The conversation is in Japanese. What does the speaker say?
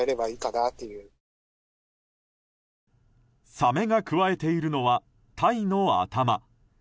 サメがくわえているのはタイの頭。